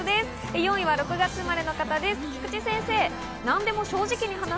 ４位は６月生まれの方です、菊池先生。